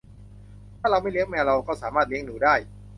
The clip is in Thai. ถ้าเราไม่เลี้ยงแมว เราก็สามารถเลี้ยงหนูได้